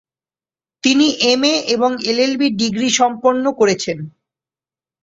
তিনি এমএ এবং LLB degree সম্পন্ন করেছেন।